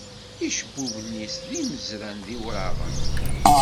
Icebbuben-is, d imezran iwraɣen.